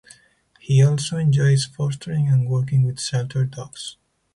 He also enjoys fostering and working with shelter dogs.